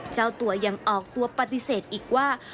เจ้าตัวยังออกตัวปฏิเสธอีกว่า